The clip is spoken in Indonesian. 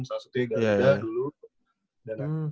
salah satunya garada dulu